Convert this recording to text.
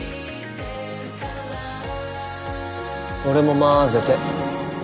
俺もまぜて。